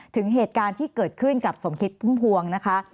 ถึงเหตุการณ์ที่เกิดขึ้นกับสมคิดพุ่มพวงนะคะ